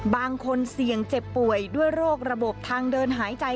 บางคนเสี่ยงเจ็บป่วยด้วยโรคระบบทางเดินหายใจ